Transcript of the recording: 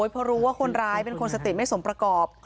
เพราะรู้ว่าคนร้ายเป็นคนสติไม่สมประกอบ